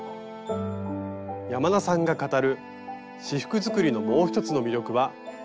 山田さんが語る仕覆作りのもう一つの魅力は「布選び」。